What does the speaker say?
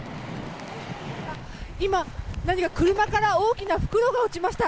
今、車から大きな袋が落ちました。